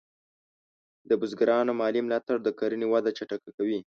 د بزګرانو مالي ملاتړ د کرنې وده چټکه کوي.